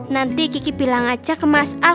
nanti kiki bilang aja ke mas al